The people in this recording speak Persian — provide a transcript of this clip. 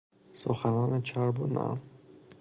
سخنان چرب و نرم